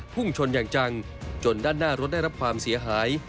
พุ่งชนอย่างจังจนด้านหน้ารถได้รับความเสียหาย